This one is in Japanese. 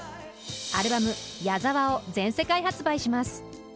アルバム「ＹＡＺＡＷＡ」を全世界発売します。